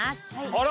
あら！